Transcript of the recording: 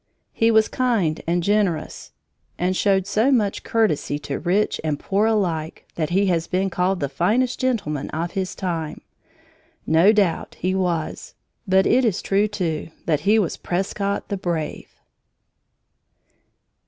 He was kind and generous and showed so much courtesy to rich and poor alike that he has been called the finest gentleman of his time. No doubt he was, but it is true, too, that he was Prescott, the Brave!